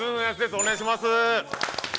お願いします！